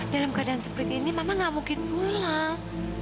dalam keadaan seperti ini mama nggak mungkin pulang